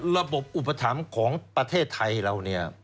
ระบบอุปถัมภ์ของประเทศไทยเรา